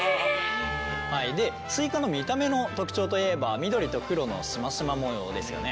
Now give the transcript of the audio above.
スイカの見た目の特徴といえば緑と黒のシマシマ模様ですよね。